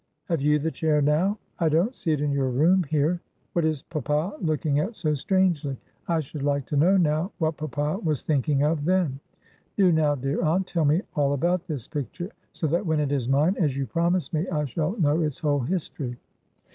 have you the chair now? I don't see it in your room here; what is papa looking at so strangely? I should like to know now, what papa was thinking of, then. Do, now, dear aunt, tell me all about this picture, so that when it is mine, as you promise me, I shall know its whole history."